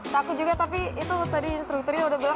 takut juga tapi itu tadi instrukturnya udah bilang